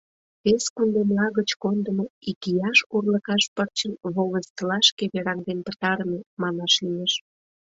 Вес кундемла гыч кондымо икияш урлыкаш пырчым волостьлашке вераҥден пытарыме, манаш лиеш.